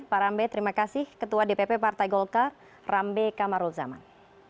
pak rambe terima kasih ketua dpp partai golkar rambe kamarul zaman